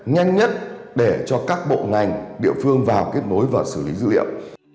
nhanh nhất để cho các bộ ngành địa phương vào kết nối và xử lý dữ liệu